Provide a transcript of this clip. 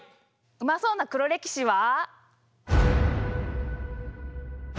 うまそうな「黒歴史」は。